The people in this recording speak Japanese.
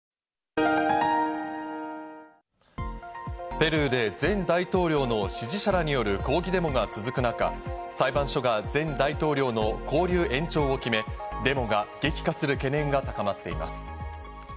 ペルーで前大統領の支持者らによる抗議デモが続く中、裁判所が前大統領の勾留延長を決め、デモが激化する懸念が高まっています。